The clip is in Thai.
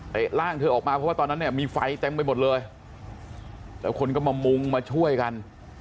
ร่างเธอออกมาเพราะว่าตอนนั้นเนี่ยมีไฟเต็มไปหมดเลยแล้วคนก็มามุงมาช่วยกัน